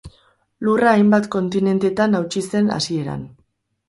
Lurra hainbat kontinentetan hautsi zen hasieran.